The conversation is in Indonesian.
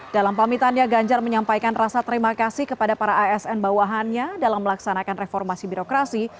dalam pamitannya ganjar menyampaikan rasa terima kasih kepada para asn bawahannya dalam melaksanakan reformasi birokrasi